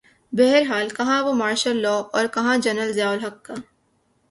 بہرحال کہاںوہ martial law اورکہاں جنرل ضیاء الحق کا۔